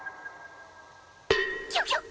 ギョギョッ！